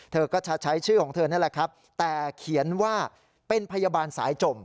เธอก็จะใช้ชื่อของเธอนั่นแหละครับแต่เขียนว่าเป็นพยาบาลสายจม